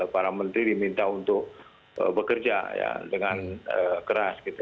para menteri diminta untuk bekerja dengan keras gitu